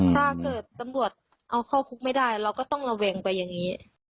ถ้าเกิดตำรวจเอาเข้าคุกไม่ได้เราก็ต้องระแวงไปอย่างนี้